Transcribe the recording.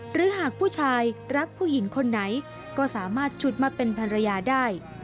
หรือหากผู้ชายรักผู้หญิงคนไหนก็สามารถฉุดมาเป็นภรรยาได้